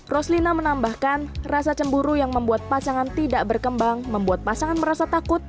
roslina menambahkan rasa cemburu yang membuat pasangan tidak berkembang membuat pasangan merasa takut